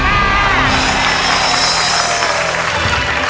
สู้สู้สู้